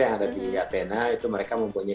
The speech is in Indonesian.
yang ada di apena itu mereka mempunyai